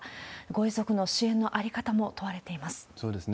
ご遺族の支援の在り方も問われています。